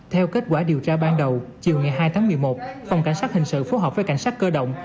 theo kết quả điều tra ban đầu chiều ngày hai tháng một mươi một phòng cảnh sát hình sự phối hợp với cảnh sát cơ động